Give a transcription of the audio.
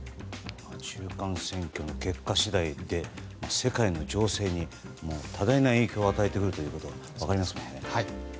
中間選挙の結果次第で世界の情勢に多大な影響を与えてくるということが分かりますね。